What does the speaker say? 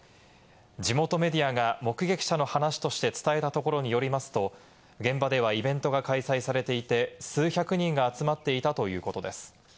地元メディアが目撃者の話として伝えたところによりますと、現場ではイベントが開催されていて、数百人が集まっていたということです。